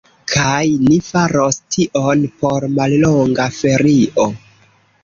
Kaj ni faros tion por mallonga ferio.